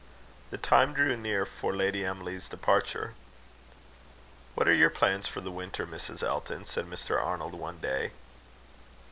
The time drew near for Lady Emily's departure. "What are your plans for the winter, Mrs. Elton?" said Mr. Arnold, one day.